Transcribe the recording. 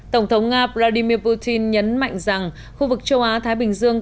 tổng thống nga vladimir putin nhấn mạnh rằng khu vực châu á thái bình dương